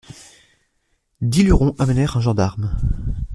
Dix lurons amenèrent un gendarme.